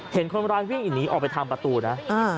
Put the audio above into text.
เห็นคนร้ายวิ่งหนีออกไปทางประตูนะ